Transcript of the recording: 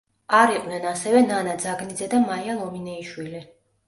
არ იყვნენ ასევე ნანა ძაგნიძე და მაია ლომინეიშვილი.